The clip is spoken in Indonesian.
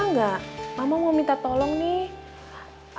tunggu gak mama mau minta tolong nih